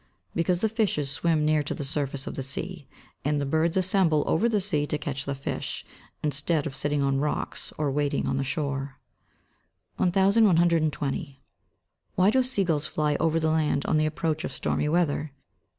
Because the fishes swim near to the surface of the sea, and the birds assemble over the sea to catch the fish, instead of sitting on rocks, or wading on the shore. 1120. _Why do sea gulls fly over the land, on the approach of stormy weather?